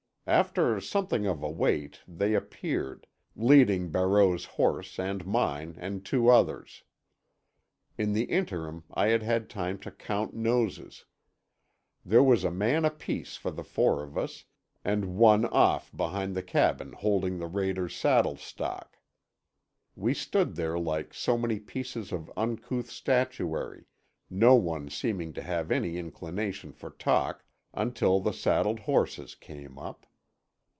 After something of a wait they appeared, leading Barreau's horse and mine and two others. In the interim I had had time to count noses. There was a man apiece for the four of us, and one off behind the cabin holding the raiders' saddlestock. We stood there like so many pieces of uncouth statuary, no one seeming to have any inclination for talk, until the saddled horses came up.